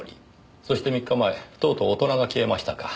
そして３日前とうとう大人が消えましたか。